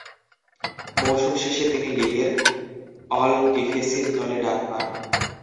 মৌসুম শেষে তিনি লীগের অল-ডিফেসিভ দলে ডাক পান।